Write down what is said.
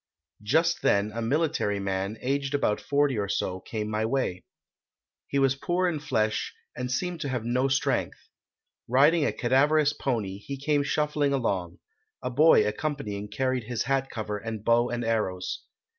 "Just then a military man, aged about forty or so, came my way. He was poor in flesh and seemed to have no strength. Riding a cadaverous pony, he came shuffling along; a boy accompanying carried his hat cover and bow and arrows.